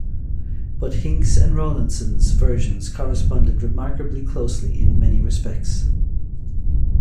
But Hincks' and Rawlinson's versions corresponded remarkably closely in many respects.